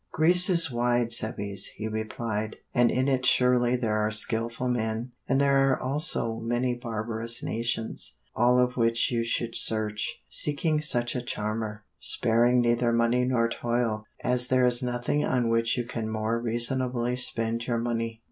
"'Greece is wide, Cebes,' he replied: 'and in it surely there are skilful men, and there are also many barbarous nations, all of which you should search, seeking such a charmer, sparing neither money nor toil, as there is nothing on which you can more reasonably spend your money.'"